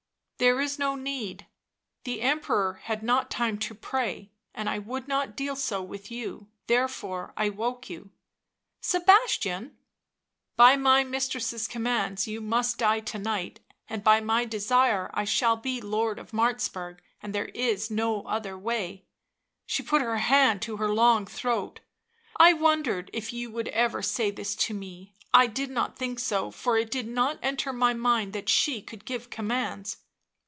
" There is no need ; the Emperor had not time to pray, I would not deal so with you, therefore I woke you." " Sebastian !"" By my mistress's commands you must die to night, and by my desire ; I shall be Lord of Martzburg, and there is no other way " She put her hand to her long throat. " I wondered if you would ever say this to me — I did not think so, for it did not enter my mind that she could give commands."